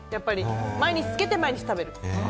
毎日漬けて、毎日食べる。